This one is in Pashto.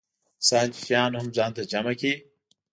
انسان چې شیان هم ځان ته جمع کړي.